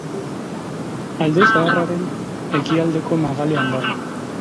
Alde Zaharraren ekialdeko magalean dago.